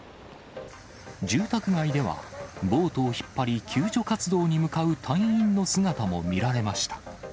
住宅街では、ボートを引っ張り救助活動に向かう隊員の姿も見られました。